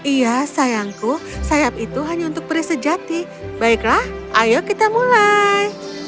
iya sayangku sayap itu hanya untuk perisejati baiklah ayo kita mulai